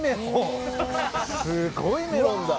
すごいメロンだ！